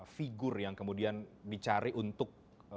figur yang kemudian dicari untuk